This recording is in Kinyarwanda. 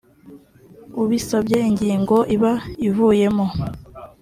ubisabye ingingo iba ivuyemo